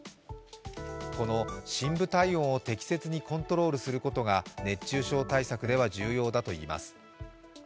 この深部体温を適切にコントロールすることが熱中症対策では重要だといいます。